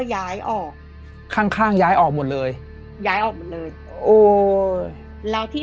ย้ายออกข้างข้างย้ายออกหมดเลยย้ายออกหมดเลยโอ้แล้วที่